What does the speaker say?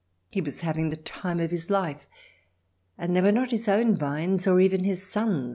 He was having the time of his life ; and they were not his own vines, or even his son's.